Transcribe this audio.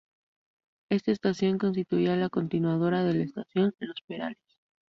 Esta estación constituía la continuadora de la Estación Los Perales.